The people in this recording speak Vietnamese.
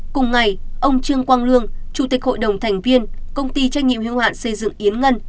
cùng ngày ông trương quang lương chủ tịch hội đồng thành viên công ty trách nhiệm hưu hạn xây dựng yến ngân